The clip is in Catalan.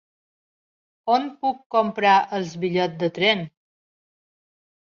On puc comprar els bitllet de tren?